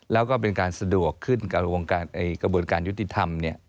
แล้วก็เป็นการสะดวกขึ้นกับกระบวนการยุติธรรม